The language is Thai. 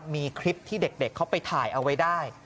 มีคลิปที่เด็กเขาไปถ่ายเอาไว้ได้